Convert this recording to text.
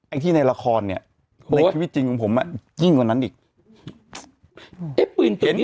ไอ้ที่ในละครเนี้ยในชีวิตจริงของผมอ่ะยิ่งกว่านั้นอีกไอ้ปืนตรงนี้